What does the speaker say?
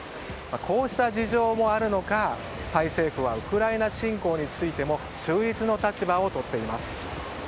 こうした事情もあるのかタイ政府はウクライナ侵攻についても中立の立場をとっています。